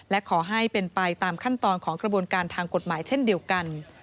และขอให้เป็นไปตามขั้นตอนของกระบวนการทางกฎหมายเช่นเดียวกัน